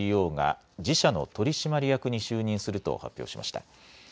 ＣＥＯが自社の取締役に就任すると発表しました。